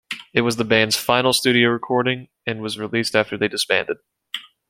It was the band's final studio recording, and was released after they disbanded.